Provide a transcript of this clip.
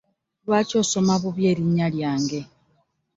Lwaki osoma bubi erinya lyange?